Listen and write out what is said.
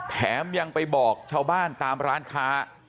แถมยังไปบอกชาวบ้านตามร้านค้า